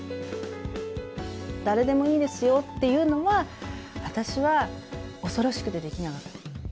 誰でもいいですよっていうのは、私は恐ろしくてできなかった。